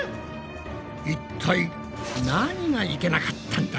いったい何がいけなかったんだ？